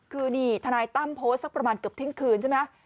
คือนี่ทนายตั้มโพสต์สักประมาณเกือบเที่ยงคืนใช่ไหม